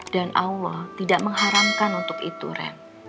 dan allah tidak mengharamkan untuk itu ren